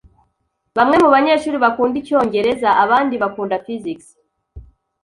Bamwe mubanyeshuri bakunda icyongereza, abandi bakunda physics.